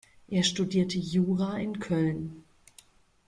Er studierte Jura in Köln.